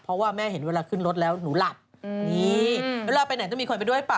เพราะว่าแม่เห็นเวลาขึ้นรถแล้วหนูหลับนี่เวลาไปไหนต้องมีคนไปด้วยหรือเปล่า